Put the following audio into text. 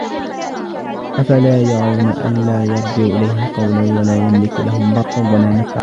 أفلا يرون ألا يرجع إليهم قولا ولا يملك لهم ضرا ولا نفعا